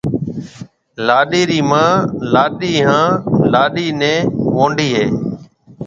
لاڏَي رِي مان لاڏَي ھان لاڏِي نيَ وئونڏَي ھيََََ